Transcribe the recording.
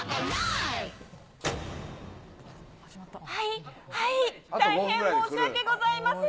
はい、はい、大変申し訳ございません。